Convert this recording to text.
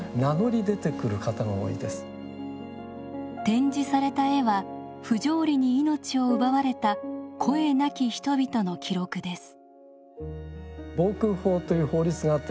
展示された絵は不条理に命を奪われた声なき人々の記録です。